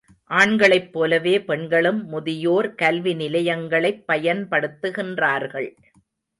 ஆண்களைப் போலவே பெண்களும் முதியோர் கல்விநிலையங்களைப் பயன்படுத்துகின்றார்கள்.